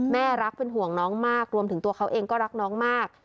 แม่รักเป็นห่วงน้องมากรวมถึงตัวเขาเองก็รักน้องมาก